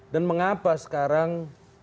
dan mengapa sekarang